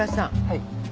はい。